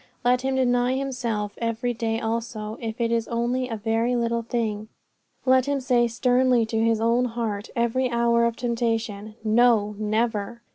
Let him deny himself every day also, if it is only in a very little thing. Let him say sternly to his own heart every hour of temptation, No! never!